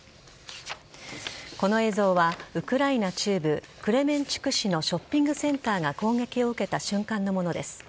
この映像はウクライナ中部クレメンチュク市のショッピングセンターが攻撃を受けた瞬間のものです。